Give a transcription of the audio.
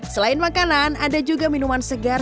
selain makanan ada juga minuman segar